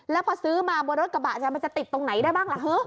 แล้วพอซื้อมาบนรถกระบะมันจะติดตรงไหนได้บ้างล่ะฮะ